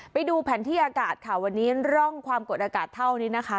ไปดูแผนที่อากาศค่ะวันนี้ร่องความกดอากาศเท่านี้นะคะ